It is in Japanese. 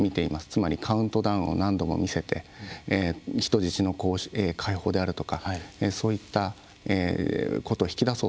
つまりカウントダウンを何度も見せて人質の解放であるとかそういったことを引き出そうと。